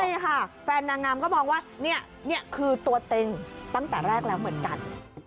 ใช่ค่ะแฟนนางงามก็มองว่านี่คือตัวเต็งตั้งแต่แรกแล้วเหมือนกัน